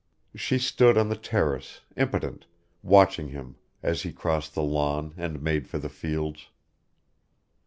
She stood on the terrace, impotent, watching him as he crossed the lawn and made for the fields.